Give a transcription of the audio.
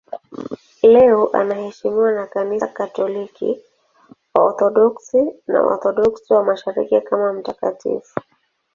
Leo anaheshimiwa na Kanisa Katoliki, Waorthodoksi na Waorthodoksi wa Mashariki kama mtakatifu.